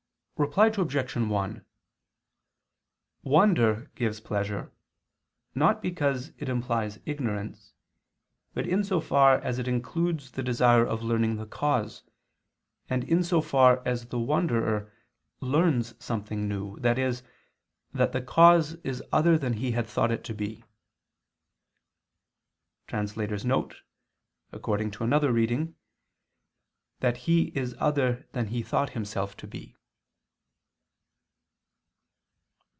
Reply Obj. 1: Wonder gives pleasure, not because it implies ignorance, but in so far as it includes the desire of learning the cause, and in so far as the wonderer learns something new, i.e. that the cause is other than he had thought it to be. [*According to another reading: that he is other than he thought himself to be.